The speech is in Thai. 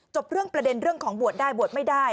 จบเรื่องประเด็นเรื่องของบวชได้บวชไม่ได้